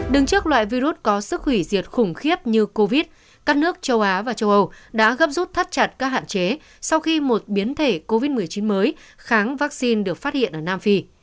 đứng trước loại virus có sức hủy diệt khủng khiếp như covid các nước châu á và châu âu đã gấp rút thắt chặt các hạn chế sau khi một biến thể covid một mươi chín mới kháng vaccine được phát hiện ở nam phi